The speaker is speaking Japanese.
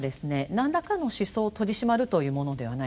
何らかの思想を取り締まるというものではない。